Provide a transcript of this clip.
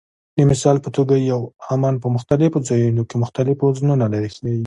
د مثال په توګه یو "امن" په مختلفو ځایونو کې مختلف وزنونه ښيي.